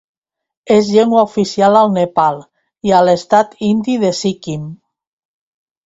És llengua oficial al Nepal i a l'estat indi de Sikkim.